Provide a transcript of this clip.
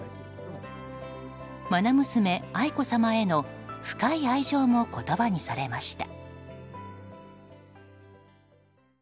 愛娘・愛子さまへの深い愛情も言葉にされました。